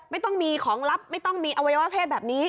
ไม่ต้องมีของลับไม่ต้องมีอวัยวะเพศแบบนี้